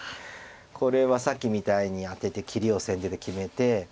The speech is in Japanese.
これはさっきみたいにアテて切りを先手で決めて。